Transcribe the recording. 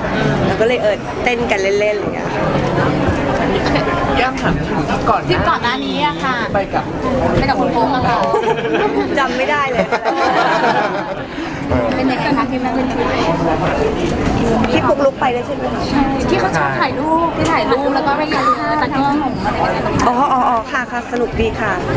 คนก็มองว่าเออไปกันดี